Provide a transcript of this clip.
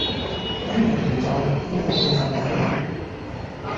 今日唔做，聽日你就大鑊